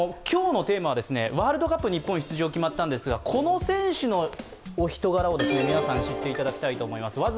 今日のテーマは、ワールドカップ日本出場決まったんですがこの選手の人柄を皆さん知っていただきたいと思います。